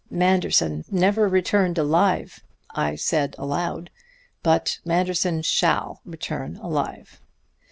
'Manderson never returned alive?' I said aloud. 'But Manderson shall return alive!'